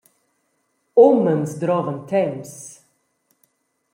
Umens drovan temps.